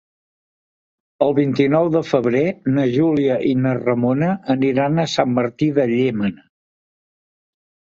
El vint-i-nou de febrer na Júlia i na Ramona aniran a Sant Martí de Llémena.